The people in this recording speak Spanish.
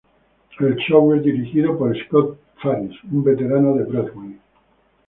El show es dirigido por Scott Faris, un veterano de Broadway.